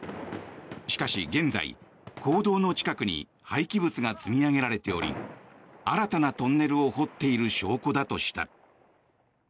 しかし現在、坑道の近くに廃棄物が積み上げられており新たなトンネルを掘っている証拠だとした。